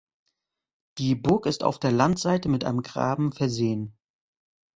Die Burg ist auf der Landseite mit einem Graben versehen.